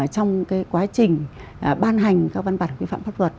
trong cái quá trình ban hành các văn bản của cái phạm phát vật